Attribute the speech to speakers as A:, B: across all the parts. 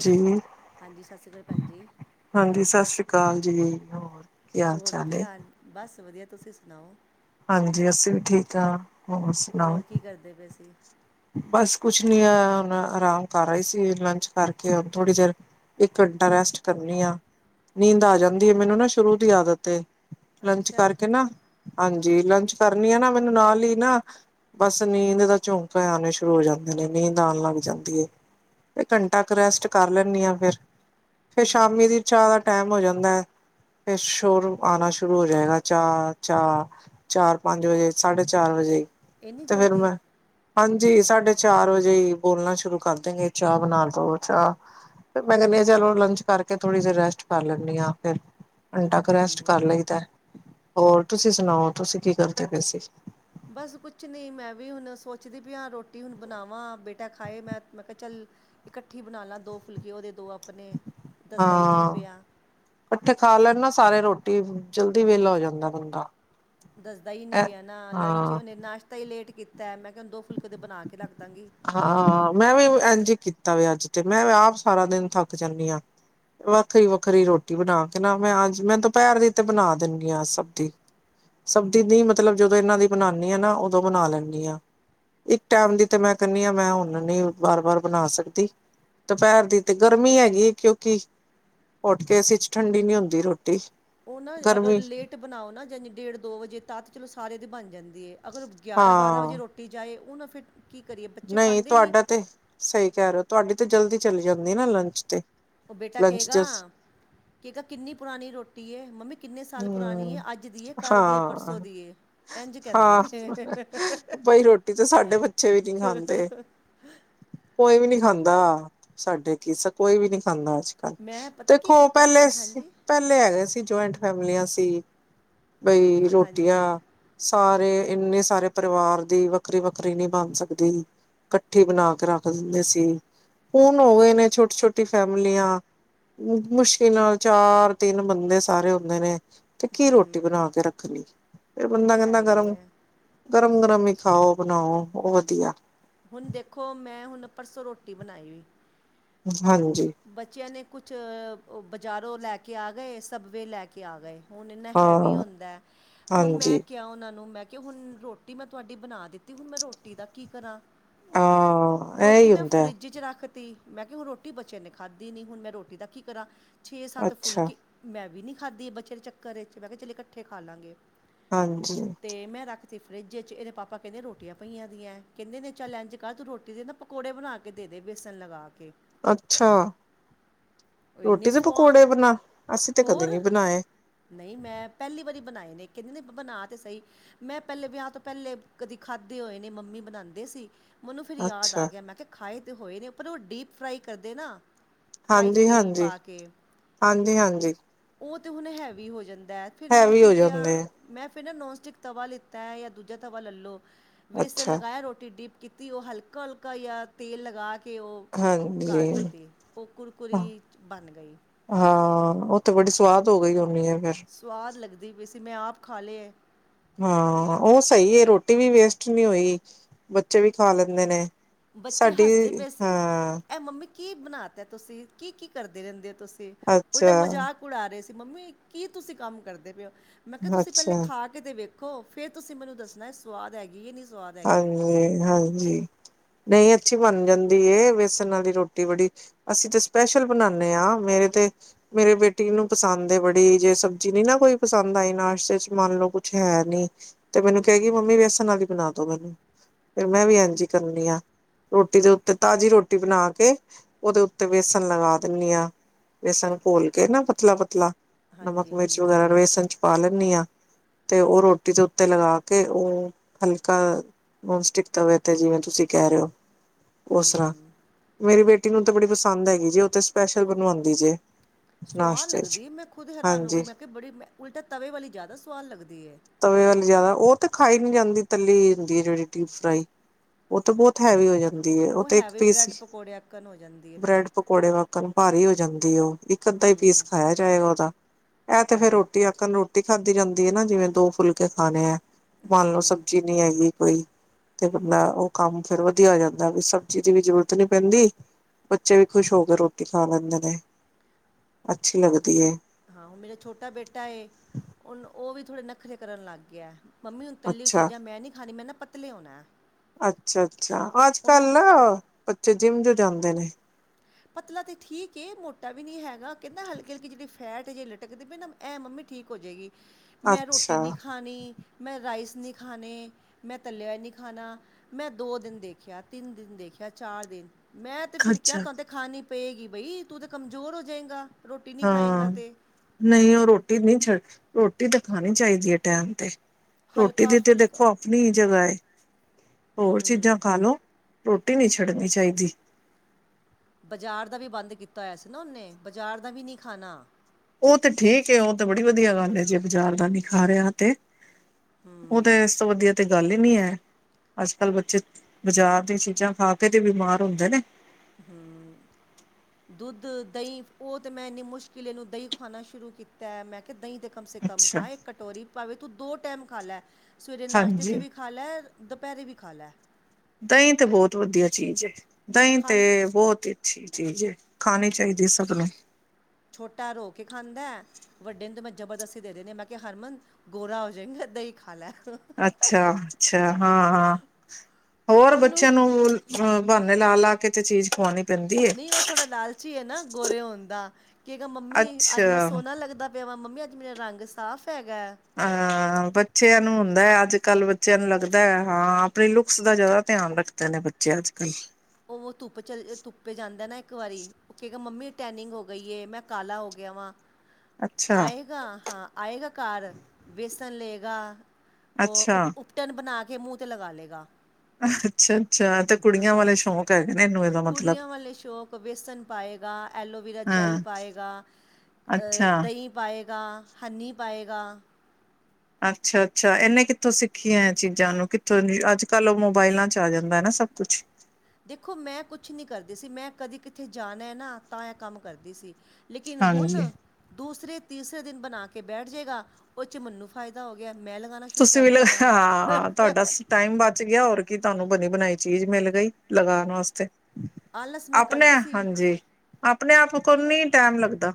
A: ਜੀ,
B: ਹਾਂਜੀ ਸਤਿ ਸ਼੍ਰੀ ਅਕਾਲ ਭੈਣ ਜੀ
A: ਹਾਂਜੀ। ਸਤਿ ਸ੍ਰੀ ਅਕਾਲ ਜੀ। ਹੋਰ, ਕੀ ਹਾਲ
B: ਹੋਰ
A: ਚਾਲ
B: ਕੀ
A: ਹੈ
B: ਹਾਲ, ਬਸ ਵਧੀਆ। ਤੁਸੀਂ ਸੁਣਾਓ?
A: ਹਾਂਜੀ। ਅਸੀਂ ਵੀ ਠੀਕ ਹਾਂ।
B: ਹੋਰ ਕੀ, ਕਰਦੇ ਪਏ ਸੀ?
A: ਬਸ ਕੁਛ ਨੀ, ਆ ਹੁਣ ਆਰਾਮ ਕਰ ਆਈ ਸੀ। ਲੰਚ ਕਰਕੇ, ਹੁਣ ਥੋੜੀ ਦੇਰ। ਇੱਕ ਘੰਟਾ ਰੈਸਟ ਕਰਨੀ ਆ। ਨੀਂਦ ਆ ਜਾਂਦੀ ਹੈ। ਮੈਨੂੰ ਨਾ, ਸ਼ੁਰੂ ਦੀ ਆਦਤ ਏ। ਲੰਚ,
B: ਅੱਛਾ
A: ਕਰਕੇ ਨਾ ਹਾਂਜੀ, ਲੰਚ ਕਰਨੀ ਆ, ਨਾ। ਮੈਨੂੰ ਨਾਲ ਹੀ, ਨਾ। ਬਸ ਨੀਂਦ ਦਾ ਚੋਂਕ ਸੂਫਣੇ ਆਣੇ, ਸ਼ੁਰੂ ਹੋ ਜਾਂਦੇ ਨੇ। ਨੀਂਦ ਆਉਣ ਲੱਗ ਜਾਂਦੀ ਏ। ਇਕ ਘੰਟਾ ਕੁ ਰੈਸਟ ਕਰ ਲੈਂਦੀ ਹਾਂ। ਫੇਰ,
B: ਹਾਂਜੀ
A: ਸ਼ਾਮੀ ਦੀ ਚਾਹ ਦਾ, ਟੈਮ ਹੋ ਜਾਂਦਾ ਹੈ। ਫੇਰ, ਸ਼ੋਰ ਆਉਣਾ ਸ਼ੁਰੂ ਹੋ ਜਾਏਗਾ। ਚਾਹ -ਚਾਹ। ਚਾਰ, ਪੰਜ ਵਜੇ। ਸਾਢੇ ਚਾਰ ਵਜੇ।
B: ਇੰਨੀ
A: ਤੇ ਫਿਰ
B: ਜਲਦੀ।
A: ਮੈਂ ਹਾਂਜੀ। ਸਾਡੇ ਚਾਰ ਵਜੇ ਹੀ, ਬੋਲਣਾ ਸ਼ੁਰੂ ਕਰ ਦੇਣਗੇ। ਚਾਹ ਬਣਾ ਦੋ ਚਾਹ। ਫੇਰ ਮੈਂ ਕਹਿੰਦੀ ਹਾਂ, ਚਲ ਹੁਣ ਲੰਚ ਕਰਕੇ। ਥੋੜੀ ਦੇਰ ਰੈਸਟ ਕਰ ਲੈਂਦੀ ਹਾਂ, ਫੇਰ। ਘਂਟਾ ਕੁ ਰੈਸਟ
B: ਹਾਂਜੀ
A: ਕਰ ਲਈ ਦਾ ਏ। ਹੋਰ ਤੁਸੀਂ ਸੁਣਾਓ, ਤੁਸੀਂ ਕੀ ਕਰਦੇ ਪਏ ਸੀ?
B: ਬਸ ਕੁਛ ਨੀ। ਮੈਂ ਵੀ ਹੁਣ, ਸੋਚਦੀ ਪਈ ਹਾਂ। ਰੋਟੀ ਹੁਣ ਬਣਾਵਾਂ, ਬੇਟਾ ਖਾਏ। ਮੈਂ, ਮੈਂ ਕਿਹਾ ਚੱਲ। ਇਕੱਠੀ ਬਣਾ ਲਾ। ਦੋ ਫੁਲਕੇ ਉਹਦੇ, ਦੋ ਆਪਣੇ, ਦੱਸਦਾ ਹੀ, ਨਹੀਂ ਪਿਆ।
A: ਪੱਠੇ ਖਾ ਲੈਣ ਨਾ, ਸਾਰੇ ਰੋਟੀ। ਜਲਦੀ ਵਿਹਲਾ ਹੋ ਜਾਂਦਾ ਬੰਦਾ।
B: ਦੱਸਦਾ ਹੀ ਨਹੀਂ
A: ਇਹ
B: ਪਿਆ ਨਾ। ਲੰਚ
A: ਹਾਂ
B: ਉਹਨੇ, ਨਾਸ਼ਤਾ ਹੀ ਲੇਟ ਕੀਤਾ। ਮੈਂ ਕਿਹਾਹ ਹੁਣ ਦੋ ਫੁੱਲਕੇ ਓਦੇ, ਬਣਾ ਕੇ ਰੱਖ ਦਾਂਗੀ।
A: ਹਾਂ। ਮੈਂ ਵੀ, ਇੰਝ ਕੀਤਾ ਵੇ। ਅੱਜ ਤੇ, ਮੈਂ ਵੀ, ਆਪ ਸਾਰਾ ਦਿਨ ਥੱਕ ਜਾਂਦੀ ਹਾਂ। ਵੱਖਰੀ- ਵੱਖਰੀ, ਰੋਟੀ ਬਣਾ ਕੇ ਨਾ। ਮੈਂ ਅਜ, ਮੈਂ ਦੁਪਹਿਰ ਦੀ ਤੇ, ਬਣਾ ਦੇਣੀ ਆ ਸਬਦੀ। ਸਬਦੀ, ਦੀ ਮਤਲਬ ਜਦੋਂ ਇਹਨਾਂ ਦੀ, ਬਣਾਉਂਦੀ ਆਾਂ ਨਾ। ਉਦੋਂ ਬਣਾ ਲੈਂਦੀ ਹਾਂ। ਇੱਕ ਟੈਮ ਦੀ, ਤੇ ਮੈਂ ਕਹਿੰਨੀ ਹਾਂ। ਮੈਂ ਹੁਣ, ਨਹੀਂ ਵਾਰ- ਵਾਰ, ਬਣਾ ਸਕਦੀ। ਦੁਪਹਿਰ ਦੀ ਤੇ। ਗਰਮੀ ਹੈਗੀ ਹੈ, ਕਿਉਂਕਿ। ਹੋਠ ਕੇਸ, ਚ ਠੰਡੀ ਨੀ ਹੁੰਦੀ ਰੋਟੀ।
B: ਉਹ ਨਾ, ਅਗਰ
A: ਗਰਮੀ
B: ਲੇਟ ਬਣਾਓ ਨਾ। ਜਾਣੀ ਡੇਢ, ਦੋ ਵਜੇ ਤਾਂ, ਤੋ ਚਲੋ ਸਾਰੇਆਂ ਦੀ ਬਣ ਜਾਂਦੀ ਹੈ। ਅਗਰ ਉਹ, ਗਿਆਰਾਂ, ਬਾਰਾਂ ਵਜੇ
A: ਹਾਂ
B: ਰੋਟੀ ਜਾਏ। ਉਹੁਣਾ ਫੇਰ ਕੀ ਕਰੀਏ, ਬੱਚੇ ਖਾਂਦੇ ਨਹੀਂ।
A: ਤੁਹਾਡਾ ਤੇ ਸਹੀ ਕਹਿ ਰਹੇ ਹੋ। ਤੁਹਾਡੀ ਤੇ, ਜਲਦੀ ਚਲੀ ਜਾਂਦੀ ਨਾ ਲੰਚ ਤੇ।
B: ਉਹ ਬੇਟਾ
A: ਲੰਚ
B: ਕਹੇਗਾ
A: ਜ-
B: ਕਹੇਗਾ, ਕਿੰਨੀ ਪੁਰਾਣੀ ਰੋਟੀ ਹੈ, ਮੰਮੀ। ਕਿੰਨੇ ਸਾਲ ਪੁਰਾਣੀ ਏ।
A: ਹਮ
B: ਅੱਜ ਦੀ ਹੈ, ਕੱਲ ਦੀ ਹੈ,
A: ਹਾਂ
B: ਪਰਸੋਂ ਦੀ ਹੈ। ਇੰਝ ਕਹਿੰਦੇ
A: ਹਾਂ
B: ਨੇ।
A: ਬਈ ਰੋਟੀ ਤੇ ਸਾਡੇ, ਬੱਚੇ ਵੀ ਨਹੀਂ ਖਾਂਦੇ। ਕੋਈ ਵੀ ਨੀ ਖਾਂਦਾ। ਸਾਡੇ ਕਿਸ, ਕੋਈ ਵੀ ਨੀ ਖਾਂਦਾ। ਅ-
B: ਮੈਂ ਪਤਾ ਕੀ
A: ਦੇਖੋ,
B: ਕੀਤਾ
A: ਪਹਿਲੇ।
B: ਹਾਂਜੀ
A: ਪਹਿਲੇ ਹੈਗੇ ਏ ਸੀ। ਜੁਆਇੰਟ ਫੈਮਲੀਆਂ ਸੀ। ਬਈ ਰੋਟੀਆਂ।
B: ਹਾਂਜੀ
A: ਸਾਰੇ ਇੰਨੇ ਸਾਰੇ, ਪਰਿਵਾਰ ਦੀ, ਵੱਖਰੀ- ਵੱਖਰੀ, ਨਹੀਂ ਬਣ ਸਕਦੀ। ਇਕੱਠੀ, ਬਣਾ ਕੇ ਰੱਖ ਦਿੰਦੇ ਸੀ। ਹੁਣ ਹੋ ਗਏ ਨੇ। ਛੋਟੀ- ਛੋਟੀ ਫੈਮਲੀਆਂ। ਮੁਸ਼ਕਿਲ ਨਾਲ, ਚਾਰ, ਤਿੰਨ ਬੰਦੇ ਸਾਰੇ। ਦੇ ਨੇ, ਤੇ ਕੀ, ਰੋਟੀ ਬਣਾ ਕੇ, ਰੱਖ ਲਈ ਫੇਰ,
B: ਉਹ
A: ਬੰਦਾ
B: ਤਾਂ ਹੈ
A: ਕਹਿੰਦਾ
B: ਹੀ
A: ਗਰਮ।
B: ਹੈ
A: ਗਰਮ- ਗਰਮ, ਹੀ ਖਾਓ ਬਣਾਓ, ਉਹ ਵਧੀਆ।
B: ਹੁਣ ਦੇਖੋ, ਮੈਂ ਹੁਣ ਪਰਸੋਂ, ਰੋਟੀ ਬਣਾਈ ਹੋਈ।
A: ਹਾਂਜੀ।
B: ਬੱਚਿਆਂ ਨੇ, ਕੁਛ ਬਜ਼ਾਰੋਂ, ਲੈ ਕੇ ਆ ਗਏ। ਸਬਵੇ, ਲੈ ਕੇ, ਆ ਗਏ। ਹੁਨ ਏਨਾ
A: ਹਾਂ
B: ਹੈਵੀ ਹੁੰਦੇ, ਹੁਨ
A: ਹਾਂਜੀ
B: ਮੈਂ ਕਿਹਾ ਉਹਨਾਂ ਨੂੰ ਮੈਂ ਕਿ ਹੁਨ ਰੋਟੀ ਮੈਂ ਤੁਹਾਡੀ ਬਨਾ ਦਿੱਤੀ ਤੇ ਹੁਨ ਮੈਂ ਰੋਟੀ ਦਾ ਕੀ ਕਰਾਂ
A: ਹਾਂ,
B: ਰੋਟੀ
A: ਇਹੀ
B: ਮੈਂ
A: ਹੁੰਦਾ ਹੈ।
B: ਫਰਿੱਜ ਚ ਰੱਖ ਤੀ ਮੈਂ ਕਿਹਾ ਹੁਨ ਰੋਟੀ ਬੱਚਿਆਂ ਨੇ ਖਾਧੀ ਨੀ, ਹੁਨ ਮੈਂ ਰੋਟੀ ਦਾ ਕੀ ਕਰਾਂ ਛੇ ਸੱਤ
A: ਅੱਛਾ
B: ਫੁਲਕੇ ਮੈਂ ਵੀ ਨੀ ਖਾਧੀ। ਬੱਚੇ ਦੇ ਚੱਕਰ ਵਿੱਚ। ਮੈਂ ਕਿਹਾ ਚੱਲ, ਇਕੱਠੇ ਖਾ ਲਾਂਗੇ।
A: ਹਾਂਜੀ
B: ਤੇ ਮੈਂ- ਤੇ ਫਰਿੱਜ ਵਿੱਚ। ਇਹਦੇ ਪਾਪਾ ਕਹਿੰਦੇ ਰੋਟੀਆਂ, ਪਈਆਂ ਦੀਆਂ। ਕਹਿੰਦੇ ਤੁ ਚੱਲ ਅੰਜ ਕਰ, ਤੂੰ ਰੋਟੀ ਦੇ ਨਾ ਪ- ਪਕੌੜੇ ਬਣਾ ਕੇ। ਦੇ, ਦੇ ਵੇਸਨ ਲਗਾ ਕੇ।
A: ਅੱਛਾ।
B: ਉਹ ਇੰਨੇ
A: ਰੋਟੀ ਦੇ
B: ਸਵਾਦ
A: ਪਕੌੜੇ ਬਣਾ। ਅਸੀਂ ਤੇ, ਕਦੇ
B: ਹੋਰ
A: ਨੀ ਬਣਾਏ।
B: ਨਹੀਂ, ਮੈਂ ਪਹਿਲੀ, ਵਾਰੀ ਬਣਾਏ ਨੇ। ਕਹਿੰਦੇ ਨੇ, ਬਣਾ ਤਾਂ ਸਹੀ। ਮੈਂ ਪਹਿਲੇ, ਵਿਆਹ ਤੋਂ ਪਹਿਲੇ, ਕਦੀ ਖਾਧੇ ਹੋਏ ਨੇ। ਮੰਮੀ ਬਣਾਉਂਦੇ ਸੀ। ਮੈਨੂੰ ਫੇਰ ਯਾਦ, ਆ
A: ਅੱਛਾ
B: ਗਿਆ। ਮੈਂ ਕਿਹਾ, ਖਾਏ ਤਾਂ ਹੋਏ ਨੇ। ਪਰ ਉਹ ਡੀਪ ਫਰਾਈ ਕਰਦੇ ਨਾ। ਕੜਾਹੀ ਚ,
A: ਹਾਂਜੀ
B: ਤੇਲ
A: ਹਾਂਜੀ
B: ਪਾ ਕੇ,
A: ਹਾਂਜੀ ਹਾਂਜੀ
B: ਉਹ ਤੇ, ਹੁਣ ਹੈਵੀ ਹੋ, ਜਾਂਦਾ ਹੈ। ਫੇਰ, ਮੈਂ
A: ਹੈਵੀ
B: ਕੀ
A: ਹੋ
B: ਕਿਹਾ।
A: ਜਾਂਦੇ ਆ
B: ਮੈਂ ਫੇਰ ਨਾ, ਨੋਨ ਸਟਿਕ ਤਵਾ ਲਿੱਤਾ ਹੈ। ਜਾਂ ਦੂਜਾ ਤਵਾ ਲੈ ਲਓ। ਬੇਸਨ
A: ਅੱਛਾ
B: ਲਗਾਾਇਆ, ਰੋਟੀ ਡਿਪ। ਕੀਤੀ ਉਹ ਹਲਕਾ ਹਲਕਾ ਯਾ ਤੇਲ ਲਗਾ ਕੇ ਉਹ ਕਰ
A: ਹਾਂਜੀ
B: ਦਿੱਤੀ ਉਹ ਕੁਰਕੁਰੀ ਬਨ ਗਈ
A: ਹਾਂ, ਉਹ ਤੇ ਬੜੀ ਸਵਾਦ ਹੋ ਗਈ ਹੋਨੀ ਏ ਫੇਰ
B: ਸਵਾਦ ਲੱਗਦੀ ਪੀ ਸੀ। ਮੈਂ ਆਪ ਖਾ ਲਏ ਹੈ
A: ਹਾਂ, ਉਹ ਸਹੀ ਏ ਰੋਟੀ ਵੀ ਵੇਸਟ ਨੀ ਹੋਈ। ਬੱਚੇ ਵੀ ਖਾ ਲੈਂਦੇ ਨੇ ਸਾਡੀ ਹਾਂ
B: ਇਹ ਮੰਮੀ ਕੀ ਬਨਾਤੇ ਤੁਸੀਂ? ਕੀ ਕੀ ਕਰਦੇ ਰਹਿੰਦੇ ਹੋ ਤੁਸੀਂ? ਉਲਟਾ
A: ਅੱਛਾ
B: ਮਜ਼ਾਕ ਉੜਾ ਰਹੇ ਸੀ, ਮੰਮੀ ਕੀ ਤੁਸੀਂ ਕੰਮ ਕਰਦੇ ਪਏ ਹੋ। ਮੈਂ ਕਿਹਾ ਤੁਸੀਂ ਪਹਿਲੇ
A: ਅੱਛਾ
B: ਖਾ ਕੇ ਕਿਤੇ ਵੇਖੋ, ਫੇਰ ਤੁਸੀਂ ਮੈਨੂੰ ਦੱਸਨਾ ਸਵਾਦ ਹੈਗੀ ਹੈ ਨੀ
A: ਹਾਂਜੀ ਹਾਂਜੀ ਨਹੀਂ ਅੱਛੀ ਬਨ ਜਾਂਦੀ ਏ ਵੇਸਣ ਵਾਲੀ ਰੋਟੀ ਬੜੀ ਅਸੀਂ ਤੇ ਸਪੈਸ਼ਲ ਬਨਾਨੇ ਆ ਮੇਰੇ ਤੇ ਮੇਰੇ ਬੇਟੀ ਨੂੰ ਪਸੰਦ ਏ ਬੜੀ ਜੇ ਸਬਜ਼ੀ ਨੀ ਨਾ ਕੋਈ ਪਸੰਦ ਆਈ ਨਾਸ਼ਤੇ ਚ ਮੰਨ ਲਓ ਕੁ ਹੈ ਨੀ ਤੇ ਮੈਨੂੰ ਕਹੇ ਗੀ ਮੰਮੀ ਵੇਸਣ ਆਲੀ ਬਣਾ ਦੋ ਮੈਨੂੰ ਫਿਰ ਮੈਂ ਵੀ ਇੰਝ ਕਰਨੀ ਆ ਰੋਟੀ ਦੇ ਉੱਤੇ ਤਾਜ਼ੀ ਰੋਟੀ ਬਨਾ ਕੇ, ਉਹਦੇ ਉੱਤੇ ਵੇਸਣ ਲਗਾ ਦਿਨੀ ਆ ਵੇਸਣ ਘੋਲ
B: ਅੱਛਾ
A: ਕੇ ਨਾ ਪਤਲਾ ਪਤਲਾ ਨਮਕ
B: ਹਾਂਜੀ
A: ਮਿਰਚ ਵਗੈਰਾ
B: ਹਾਂਜੀ
A: ਵੇਸਣ ਚ ਪਾ ਲੈਂਨੀ ਆ ਤੇ ਉਹ ਰੋਟੀ ਦੇ ਉੱਤੇ ਲਗਾ ਕੇ ਉਹ ਹਲਕਾ ਨੋਨ ਸਟਿਕ ਤਵੇ ਤੇ, ਜਿਵੇਂ ਤੁਸੀਂ ਕਹਿ ਰਹੇ ਹੋ ਉਸ
B: ਹਮ
A: ਤਰ੍ਹਾਂ
B: ਹਮ
A: ਮੇਰੀ ਬੇਟੀ ਨੂੰ ਤੇ ਬੜੀ ਪਸੰਦ ਹੈਗੀ ਜੇ ਉਹ ਤੇ ਸਪੈਸ਼ਲ ਬਨਵਾਂਦੀ ਜੇ
B: ਸੁਆਦ
A: ਨਾਸ਼ਤੇ ਚ
B: ਲੱਗਦੀ ਏ, ਮੈਂ ਖੁਦ ਹੈਰਾਨ ਹੋ ਗੀ
A: ਹਾਂਜੀ
B: ਮੈਂ ਕਿਹਾ ਬੜੀ ਮ ਉਲਟਾ ਤਵੇ ਵਾਲੀ ਜ਼ਿਆਦਾ ਸੁਆਦ ਲੱਗਦੀ ਏ
A: ਤਵੇ ਵਾਲੀ ਜਿਆਦਾ, ਉਹ ਤੇ ਖਾਈ ਨੀ ਜਾਂਦੀ ਤੱਲੀ ਹੁੰਦੀ ਏ ਜੇਹੜੀ ਡੀਪ ਫਰਾਈ ਉਹ ਤੇ ਬੋਹਤ ਹੈਵੀ ਹੋ ਜਾਂਦੀ ਏ ਉਹ ਤੇ
B: ਹੈ
A: ਇੱਕ
B: ਵੀ
A: ਪੀਸ ਹੀ
B: ਬ੍ਰੈਡ ਪਕੌੜੇ ਆਕਣ ਹੋ ਜਾਂਦੀ ਹੈ ਨਾ
A: ਬ੍ਰੈਡ ਪਕੌੜੇ ਵਾਕਣ ਭਾਰੀ ਹੋ ਜਾਂਦੀ ਏ ੳ, ਉਹ ਇੱਕ ਅੱਧਾ ਪੀਸ
B: ਹਮ
A: ਖਾਇਆ ਜਾਏਗਾ ਉਹਦਾ, ਇਹ ਤੇ ਫੇਰ
B: ਹਾਂਜੀ
A: ਰੋਟੀ [unintelligible] ਰੋਟੀ ਖਾਧੀ ਜਾਂਦੀ ਏ ਨਾ ਜਿਵੇਂ ਦੋ ਫੁਲਕੇ ਖਾਣੇ ਹੈ ਮੰਨ ਲੋਓ ਸਬਜ਼ੀ ਨੀ ਹੈਗੀ ਕੋਈ ਤੇ ਬੰਦਾ ਉਹ ਕੰਮ ਫੇਰ ਵਧੀਆ ਹੋ ਜਾਂਦੇ ਵੀ ਸਬਜ਼ੀ ਦੀ ਵੀ ਜ਼ਰੂਰਤ ਨੀ ਪੈਂਦੀ ਬੱਚੇ ਵੀ ਖੁਸ਼ ਹੋ ਕੇ ਰੋਟੀ ਖਾ ਲੈਂਦੇ ਨੇ, ਅੱਛੀ ਲੱਗਦੀ ਏ
B: ਹਾਂ ਮੇਰਾ ਛੋਟਾ ਬੇਟਾ ਏ, ਉਹਨੂੰ ਉਹ ਵੀ ਥੋੜ੍ਹੇ ਨਖਰੇ ਕਰਨ ਲੱਗ ਗਿਆ ਮੰਮੀ ਹੁਨ ਤੱਲੀ
A: ਅੱਛਾ
B: ਚੀਜ਼ਾਂ ਮੈਂ ਨੀ ਖਾਨੀ, ਮੈਂ ਨਾ ਪਤਲੇ ਹੋਨੇ
A: ਅੱਛਾ ਅੱਛਾ, ਅੱਜ ਕੱਲ ਨਾ ਬੱਚੇ ਜਿੰਮ ਜੋ ਜਾਂਦੇ ਨੇ
B: ਪਤਲਾ ਤੇ ਠੀਕ ਏ ਮੋਟਾ ਵੀ ਨਹੀਂ ਹੈਗਾ, ਕਹਿੰਦਾ ਹਲਕੀ ਹਲਕੀ ਜੇਹੜੀ ਫੈਟ ਏ ਜੇ ਲਟਕਦੀ ਪੇ ਨਾ ਇਹ ਮੰਮੀ ਠੀਕ ਹੋ ਜੇਗੀ, ਮੈਂ ਰੋਟੀ
A: ਅੱਛਾ।
B: ਨੀ ਖਾਨੀ ਮੈਂ ਰਾਈਸ ਨਹੀਂ ਖਾਨੇ ਮੈਂ ਤੱਲਿਆ ਹੋਆ ਨੀ ਖਾਨਾ ਮੈਂ ਦੋ ਦਿਨ ਦੇਖਿਆ ਤਿੰਨ ਦਿਨ ਦੇਖਿਆ ਚਾਰ ਦਿਨ ਮੈਂ ਤੇ ਫਿਰ ਕਿਹਾ,
A: ਅੱਛਾ।
B: ਤੂੰਹਾਨੂ ਤਾਂ ਖਾਣੀ ਪਏਗੀ ਬਈ ਤੂੰ ਤੇ ਕਮਜ਼ੋਰ ਹੋ ਜੈਗਾ ਰੋਟੀ ਨੀ ਖਾਏਂਗਾ
A: ਹਾਂ,
B: ਤੇ
A: ਨਹੀਂ ਉਹ ਰੋਟੀ ਨੀ ਛਡ, ਰੋਟੀ ਤੇ ਖਾਨੀ ਚਾਹੀਦੀ ਏ ਟੈਮ ਤੇ ਰੋਟੀ
B: ਹਲਕਾ
A: ਦੀ ਤੇ
B: ਫੁਲਕਾ
A: ਦੇਖੋ ਅਪਨੀ ਜਗ੍ਹਾ ਏ, ਹੋਰ ਚੀਜ਼ਾਂ
B: ਹੂੰ
A: ਖਾ ਲੋ ਰੋਟੀ ਨੀ ਛੱਡਣੀ ਚਾਹੀਦੀ
B: ਬਜ਼ਾਰ ਦਾ ਵੀ ਬੰਦ ਕੀਤਾ ਹੋਇਆ ਸੀ ਨਾ ਉਹਨੇ, ਬਾਜ਼ਾਰ ਦਾ ਵੀ ਨਹੀਂ ਖਾਨਾ
A: ਉਹ ਤੇ ਠੀਕ ਉਹ ਤੇ ਬੜੀ ਵਧੀਆ ਗੱਲ ਜੇ ਬਾਜ਼ਾਰ ਦਾ ਨੀ ਖਾ ਰਿਹਾ ਤੇ ਉਹ ਤਾਂ
B: ਹੂੰ
A: ਇਸ ਤੋਂ ਵਧੀਆ ਤੇ ਗੱਲ ਈ ਨੀ ਹੈ, ਅੱਜ ਕੱਲ ਬੱਚੇ ਬਾਜ਼ਾਰ ਦੀ ਚੀਜ਼ਾਂ ਖਾ ਕੇ ਤੇ ਬਿਮਾਰ ਹੁੰਦੇ ਨੇ
B: ਹਮ ਦੁੱਧ, ਦਹੀਂ ਉਹ ਤੇ ਮੈਂ ਏਨੀ ਮੁਸ਼ਕਿਲ ਏਨੂੰ ਦਹੀਂ ਖੂਆਣਾ ਸ਼ੁਰੂ ਕੀਤਾ, ਮੈਂ ਕਿਹਾ ਦਹੀਂ ਦੇ ਕਮ ਸੇ ਕਮ
A: ਅੱਛਾ
B: ਖਾ ਏਕ ਕਟੋਰੀ ਪਾਵੇ ਤੂੰ ਦੋ ਟਾਈਮ ਖਾ ਲੈ ਸਵੇਰੇ ਨਾਸ਼ਤੇ ਚ
A: ਹਾਂਜੀ।
B: ਵੀ ਖਾ ਲੈ ਦੁਪਹਿਰੇ ਵੀ ਖਾ ਲੈ
A: ਦਹੀਂ ਤੇ ਬਹੁਤ ਵਧੀਆ ਚੀਜ਼ ਏ, ਦਹੀਂ
B: ਖਾਂ
A: ਤੇ ਬਹੁਤ ਹੀ ਜੀ ਜੀ ਖਾਣੀ ਚਾਹੀਦੀ ਸਭ ਨੂੰ
B: ਛੋਟਾ ਰੋ ਕੇ ਖਾਂਦੇ ਵੱਡੇ ਨੂੰ ਤਾਂ ਮੈਂ ਜਬਰਦਸਤੀ ਦੇ ਦਿੰਦੀ ਹੈ‌ ਮੈਂ ਕਿਹਾ ਹਰਮਨ ਗੋਰਾ ਹੋ ਜਾਏਗਾ ਦਹੀਂ ਖਾ ਲੈ
A: ਅੱਛਾ ਅੱਛਾ ਹਾਂ ਹਾਂ ਹੋਰ
B: ਉਹਨੂੰ
A: ਬੱਚਿਆਂ ਨੂੰ ਹਾਂ ਬਹਾਨੇ ਲਾ ਲਾ ਕੇ ਤੇ ਚੀਜ਼ ਖਵਾਉਣੀ ਪੈਂਦੀ ਏ।
B: ਨਹੀਂ ਉਹ ਥੋੜ੍ਹਾ ਲਾਲਚੀ ਹੈ ਨਾ ਗੋਰੇ ਹੋਣ ਦਾ ਕੀ ਮੰਮੀ ਅੱਜ ਮੈਂ
A: ਅੱਛਾ,
B: ਸੋਹਣਾ ਲੱਗਦਾ ਪਿਆ ਮੰਮੀ ਅੱਜ ਮੇਰਾ ਰੰਗ ਸਾਫ਼ ਹੈਗਾ
A: ਹਾਂ ਬੱਚਿਆਂ ਨੂੰ ਹੁੰਦਾ ਹੈ ਅੱਜ ਕੱਲ੍ਹ ਬੱਚਿਆਂ ਨੂੰ ਲੱਗਦਾ ਹੈ ਹਾਂ ਆਪਣੇ ਲੁੱਕਸ ਦਾ ਜ਼ਿਆਦਾ ਧਿਆਨ ਰੱਖਦੇ ਨੇ ਬੱਚਾ ਚੇ ਅੱਜ ਕੱਲ
B: ਉਹ ਧੁੱਪ ਚੱਲ ਧੁੱਪੇ ਜਾਂਦਾ ਨਾ ਇੱਕ ਵਾਰੀ ਉਹ ਕਹਿੰਦਾ ਮੰਮੀ ਟੈਨਿੰਗ ਹੋ ਗਈ ਹੈ ਮੈਂ ਕਾਲਾ ਹੋ ਗਿਆ ਵਾਂ
A: ਅੱਛਾ,
B: ਆਏਗਾ ਹਾਂ ਆਏਗਾ ਘਰ ਬੇਸਨ ਲਏਗਾ ਉਹ ਉਪ
A: ਅੱਛਾ,
B: ਉਪ ਟਨ ਬਣਾ ਕੇ ਮੂੰਹ ਤੇ ਲਗਾ
A: ਅੱਛਾ ਅੱਛਾ ਤੇ ਕੁੜੀਆਂ ਵਾਲੇ ਸ਼ੌਂਕ ਹੈਗੇ ਨੇ ਇਹਨੂੰ ਇਦਾਂ ਮਤਲਬ
B: ਕੁੜੀਆਂ ਵਾਲੇ ਸ਼ੌਕ ਬੇਸਨ ਪਾਏਗਾ ਐਲੋਵਰਾ ਜੈੱਲ
A: ਹਾਂ,
B: ਪਾਏਗਾ
A: ਅੱਛਾ
B: ਟੀ ਪਾਏਗਾ ਹਨੀ ਪਾਏਗਾ
A: ਅੱਛਾ ਅੱਛਾ ਇਹਨੇ ਕਿੱਥੋਂ ਸਿੱਖੀਆਂ ਇਹ ਚੀਜ਼ਾਂ ਨੂੰ ਕਿੱਥੋਂ ਅੱਜ ਕੱਲ੍ਹ ਉਹ ਮੋਬਾਇਲਾਂ ਚ ਆ ਜਾਂਦਾ ਹੈ ਨਾ ਸਭ ਕੁਛ
B: ਦੇਖੋ ਮੈਂ ਕੁਛ ਨੀ ਕਰਦੀ ਸੀ ਮੈਂ ਕਦੇ ਕਿਥੇ ਜਾਣਾ ਹੈ ਨਾ ਤਾਂ ਇਹ ਕੰਮ ਕਰਦੀ ਸੀ ਲੇਕਿਨ ਹੁਣ
A: ਹਾਂਜੀ।
B: ਦੂਸਰੇ ਤੀਸਰੇ ਦਿਨ ਬਣਾ ਕੇ ਬੈਠ ਜਾਵੇਗਾ ਉਹ ਚ ਮੈਨੂੰ ਫ਼ਾਇਦਾ ਹੋ ਗਿਆ ਮੈਂ ਲਗਾਣਾ
A: ਤੁਸੀਂ ਵੀ ਲ ਹਾਂ ਤੁਹਾਡਾ ਟਾਈਮ ਬਚ ਗਿਆ ਹੋਰ ਕੀ ਤੁਹਾਨੂੰ ਬਣੀ ਬਣਾਈ ਚੀਜ਼ ਮਿਲ ਗਈ ਲਗਾਉਣ ਵਾਸਤੇ
B: ਆਲਸ ਮੈਂ
A: ਆਪਣੇ
B: ਕਰਦੀ ਸੀ
A: ਹਾਂਜੀ ਆਪਣੇ ਆਪ ਕੋਲ ਨੀ ਟਾਈਮ ਟਾਈਮ ਨਹੀਂ ਲੱਗਦਾ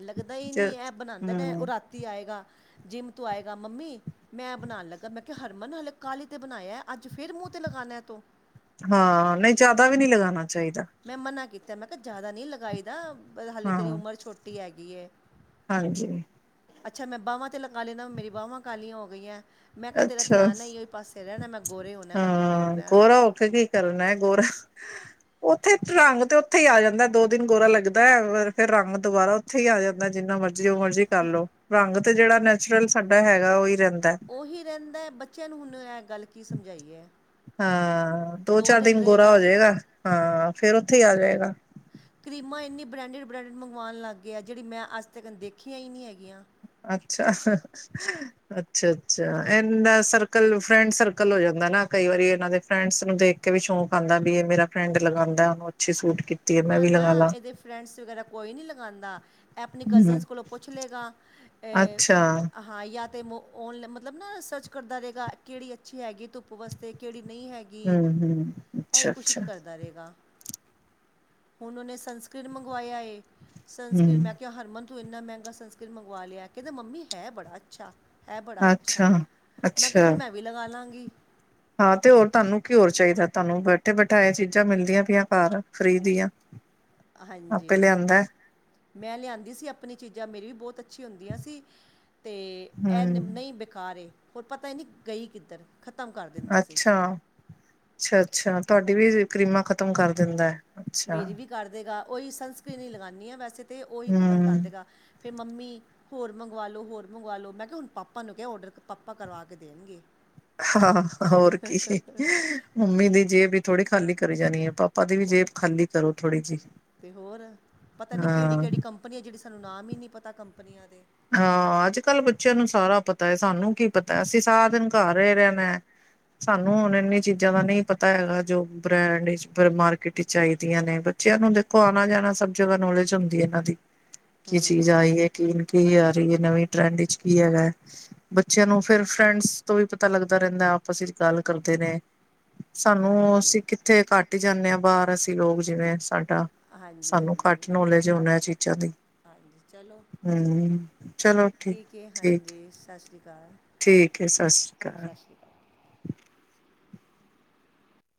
B: ਲੱਗਦਾ ਹੀ ਨਹੀਂ ਇਹ ਬਣਾਉਂਦੇ ਨੇ ਉਹ
A: ਹੂੰ
B: ਰਾਤੀ ਆਏਗਾ ਜਿਮ ਤੋਂ ਆਏਗਾ ਮੰਮੀ ਮੈਂ ਬਣਾਉਣ ਲੱਗਾ ਮੈਂ ਕਿਹਾ ਹਰਮਨ ਹਲੇ ਕੱਲ ' ਬਇਆ ਅੱਜ ਫਿਰ ਮੂੰਹ 'ਤੇ ਲਗਾਉਣਾ ਤੂੰ
A: ਹਾਂ ਨਹੀਂ ਜਿਆਦਾ ਵੀ ਨਹੀਂ ਲਗਾਉਣਾ ਚਾਹੀਦਾ
B: ਮੈਂ ਮਨਾ ਕੀਤਾ ਮੈਂ ਕਿਹਾ ਜ਼ਿਆਦਾ ਨਹੀਂ ਲਗਾਈ ਹਾਲੇ ਤੇਰੀ
A: ਹਾਂ
B: ਉਮਰ ਛੋਟੀ ਹੈਗੀ
A: ਹਾਂਜੀ।
B: ਅੱਛਾ ਮੈਂ ਬਾਵਾਂ ਤੇ ਲਗਾ ਲੈਨਾ ਮੇਰੀ ਬਾਵਾਂ ਕਾਲੀਆਂ ਹੋ ਗਈਆਂ ਮੈਂ ਕਿਹਾ ਤੇਰਾ
A: ਅੱਛਾ
B: ਧਿਆਨ ਨਾ ਇਹ ਹੀ ਪਾਸੇ ਰਹਿਣਾ ਮੈਂ ਗੋਰੇ ਹੋਣਾ ਮੈਂ ਗੋਰੇ ਹੋਣਾ
A: ਕਿਆ ਔਖਾ ਹੈ ਜੀ ਕਰਨਾ ਹੈ ਗੋਰਾ ਉੱਥੇ ਰੰਗ ਤੇ ਉੱਥੇ ਹੀ ਆ ਜਾਂਦਾ ਦੋ ਦਿਨ ਗੋਰਾ ਲੱਗਦਾ ਹੈ ਫਿਰ ਰੰਗ ਦੁਬਾਰਾ ਇੱਥੇ ਹੀ ਆ ਜਾਂਦਾ ਜਿੰਨਾ ਮਰਜੀ ਉਹ ਮਰਜ਼ੀ ਕਰਲੋ ਰੰਗ ਤੇ ਜਿਹੜਾ ਨੈਚੁਰਲ ਸਾਡਾ ਹੈਗਾ ਉਹ ਹੀ ਰਹਿੰਦਾ
B: ਉਹੀ ਰਹਿੰਦਾ ਹੈ ਬੱਚਿਆਂ ਨੂੰ ਹੁਣ ਇਹ ਗੱਲ ਕੀ ਸਮਝਾਈਏ
A: ਹਾਂ ਦੋ ਚਾਰ ਦਿਨ ਗੋਰਾ ਹੋ ਜਾਏਗਾ ਹਾਂ ਫੇਰ ਉੱਥੇ ਹੀ ਆ ਜਾਏਗਾ
B: ਕਰੀਮਾਂ ਇੰਨੀ ਬਰੈਂਡਰ ਬਰਾਂਡ ਮੰਗਵਾਉਣ ਲੱਗ ਗਿਆ ਜਿਹੜੀ ਮੈਂ ਅੱਜ ਤੱਕ ਦੇਖੀ ਹੀ ਨਹੀਂ ਹੈਗੀਆਂ
A: ਅੱਛਾ ਅੱਛਾ ਅੱਛਾ ਇਹ ਦਾ ਸਰਕਲ ਫਰੈਂਡ ਸਰਕਲ ਹੋ ਜਾਂਦਾ ਨਾ ਕਈ ਵਾਰੀ ਇਹਨਾਂ ਦੇ ਫਰੈਂਡਸ ਨੂੰ ਦੇਖ ਵੀ ਸ਼ੌਂਕ ਆਉਂਦਾ ਵੀ ਇਹ ਮੇਰਾ ਫਰੈਂਡ ਲਗਾਉਂਦਾ ਉਹਨੂੰ ਅੱਛੀ ਸੂਟ ਕੀਤੀ ਹੈ ਮੈਂ
B: ਨਾ
A: ਵੀ
B: ਨਾ
A: ਲਗਾ ਲਾ
B: ਇਹਦੇ ਫਰੈਂਡਸ ਵਗੈਰਾ ਕੋਈ ਨਹੀਂ ਲਗਾਉਂਦਾ। ਇਹ ਆਪਣੀ
A: ਹਮ
B: ਕਜ਼ਨਸ ਕੋਲੋਂ ਪੁੱਛ ਲਏਗਾ।
A: ਅੱਛਾ
B: ਹਾਂ ਜਾਂ ਤੇ ਓਨਲਾ ਮਤਲਬ ਨਾ ਸਰਚ ਕਰਦਾ ਰਹੇਗਾ ਕਿਹੜੀ ਅੱਛੀ ਹੈਗੀ ਧੁੱਪ ਵਾਸਤੇ ਕਿਹੜੀ ਨਹੀਂ ਹੈਗੀ
A: ਹਮ ਹਮ
B: ਇਹ
A: ਅੱਛਾ
B: ਕੁਛ
A: ਅੱਛਾ
B: ਤਾਂ ਕਰਦਾ ਰਹੇਗਾ ਉਨ ਉਹਨਾਂ ਨੇ ਸੰਸਕੀ੍ਨ ਮੰਗਵਾਏ ਸੰਸਕੀ੍ਨ
A: ਹਮ
B: ਮੈਂ ਕਿਹਾ ਹਰਮਨ ਤੂੰ ਇੰਨਾ ਮਹਿੰਗਾ ਸਨਸਕ੍ਰੀਨ ਮੰਗਵਾ ਲਿਆ ਕਹਿੰਦੇ ਮੰਮੀ ਹੈ ਬੜਾ ਅੱਛਾ। ਇਹ ਬੜਾ ਅੱਛਾ, ਮੈਂ ਕਿਹਾ
A: ਅੱਛਾ
B: ਫਿਰ ਮੈਂ ਵੀ ਲਗਾ ਲਵਾਂਗੀ
A: ਹਾਂ ਤੇ ਹੋਰ ਤੁਹਾਨੂੰ ਕੀ ਹੋਰ ਚਾਹੀਦਾ। ਤੁਹਾਨੂੰ ਬੈਠੇ ਬਿਠਾਏ ਚੀਜ਼ਾਂ ਮਿਲਦੀਆਂ ਪਈਆਂ ਘਰ ਫ੍ਰਰੀ ਦੀਆਂ
B: ਹਾਂਜੀ
A: ਆਪੇ ਲਿਆਂਦਾ
B: ਮੈਂ ਲਿਆਂਦੀ ਸੀ। ਆਪਣੀ ਚੀਜ਼ਾਂ ਮੇਰੀ ਵੀ ਬਹੁਤ ਅੱਛੀ ਹੁੰਦੀਆਂ ਸੀ ਤੇ
A: ਹੂੰ
B: ਇਹ ਨਹੀਂ ਬੇਕਾਰ ਹੋਰ ਪਤਾ ਹੀ ਨਹੀਂ ਗਈ ਕਿੱਧਰ। ਖਤਮ ਕਰ ਦਿੰਦਾ ਸੀ
A: ਅੱਛਾ ਅੱਛਾ ਅੱਛਾ ਤੁਹਾਡੀ ਵੀ ਕਰੀਮਾ ਖਤਮ ਕਰ ਦਿੰਦਾ। ਅੱਛਾ।
B: ਮੇਰੀ ਵੀ ਕਰਦੇਗਾ। ਉਹੀ ਸਨਸਕਰੀਨ ਹੀ ਲਗਾਉਂਦੀ ਹਾਂ ਵੈਸੇ ਤਾਂ ਉਹੀ ਖ਼ਤਮ ਕਰ
A: ਹੂੰ
B: ਦੇਗਾ ਫਿਰ ਮੰਮੀ। ਹੋਰ ਮੰਗਵਾ ਲੋ ਹੋਰ ਮੰਗਵਾ ਲੋ ਮੈਂ ਕਿਹਾ ਹੁਣ ਪਾਪਾ ਨੂੰ ਕਿਹਾ ਔਡਰ ਪਾਪਾ ਕਰਵਾ ਕੇ ਦੇਣਗੇ।
A: ਹਾਂ ਹੋਰ ਕੀ ਮੰਮੀ ਦੀ ਜੇਬ ਈ ਥੋੜੀ ਖਾਲੀ ਕਰੀ ਜਾਣੀ ਹੈ ਪਾਪਾ। ਪਾਪਾ ਦੀ ਵੀ ਜੇਬ ਖਾਲੀ ਕਰੋ ਥੋੜੀ ਜਿਹੀ ਹਾਂ।
B: ਕੰਪਨੀਆਂ ਜਿਹੜੇ ਸਾਨੂੰ ਨਾਮ ਹੀ ਨਹੀਂ ਪਤਾ ਕੰਪਨੀਆਂ ਦੇ।
A: ਹਾਂ ਅੱਜ ਕੱਲ ਬੱਚਿਆਂ ਨੂੰ ਸਾਰਾ ਪਤਾ ਹੈ। ਸਾਨੂੰ ਕੀ ਪਤਾ ਅਸੀਂ ਸਾਰ ਦਿਨ ਘਰ ਰ ਰਹਿਣਾ ਸਾਨੂੰ ਹੁਣ ਇੰਨੀ ਚੀਜ਼ਾਂ ਦਾ ਨਹੀਂ ਪਤਾ ਹੈਗਾ ਜੋ ਬ੍ਰੈਂਡ। ਫ ਮਾਰਕੀਟ ਚ ਆਈਦੀਆਂ ਨੇ ਬੱਚਿਆਂ ਨੂੰ ਦੇਖੋ ਆਉਣਾ ਜਾਣਾ ਸਭ ਜਗਾ ਨੌਲੇਜ ਹੁੰਦੀ ਇਹਨਾਂ ਦੀ। ਕੀ ਚੀਜ਼
B: ਹੂੰ
A: ਆਈ ਹੈ ਕੀ ਕੀ ਆ ਰਹੀ ਹੈ ਨਵੀਂ ਟਰੈਂਡ ਵਿੱਚ ਕੀ ਹੈਗਾ ਹੈ। ਬੱਚਿਆਂ ਨੂੰ ਫਿਰ ਫਰੈਂਡਸ ਤੋਂ ਵੀ ਪਤਾ ਲੱਗਦਾ ਰਹਿੰਦਾ ਆਪਸ ਵਿੱਚ ਗੱਲ ਕਰਦੇ ਨੇ। ਸਾਨੂੰ
B: ਹਾਂਜੀ
A: ਅਸੀਂ ਕਿੱਥੇ ਘੱਟ ਹੀ ਜਾਂਦੇ ਹਾਂ ਬਾਹਰ ਅਸੀਂ ਲੋਕ ਜਿਵੇਂ ਸਾਡਾ।
B: ਹਾਂਜੀ
A: ਸਾਨੂੰ
B: ਹਾਂਜੀ
A: ਘੱਟ ਨੋਲੇਜ ਅ ਹੁਣ ਇਹ ਚੀਜ਼ਾਂ ਦੀ।
B: ਹਾਂਜੀ ਚਲੋ।
A: ਹਮ ਚਲੋ ਠੀਕ
B: ਹੈ
A: ਠੀਕ।
B: ਹਾਂਜੀ ਸਤਿ ਸ਼੍ਰੀ ਅਕਾਲ
A: ਠੀਕ ਹੈ ਸਤਿ ਸ਼੍ਰੀ ਅਕਾਲ।
B: ਸਤਿ ਸ਼੍ਰੀ